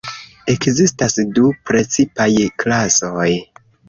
Ekzistas du precipaj klasoj.